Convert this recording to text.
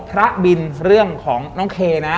พระบินเรื่องของน้องเคนะ